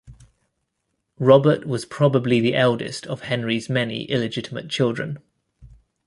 Robert was probably the eldest of Henry's many illegitimate children.